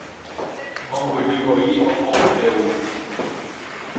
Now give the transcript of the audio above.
Mombyryvoi oho upégui.